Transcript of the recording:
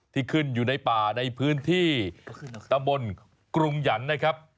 ที่ขึ้นอยู่ในป่าในพื้นที่ตำบลกรุงหยันนะครับ